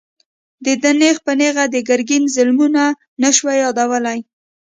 ده نېغ په نېغه د ګرګين ظلمونه نه شوای يادولای.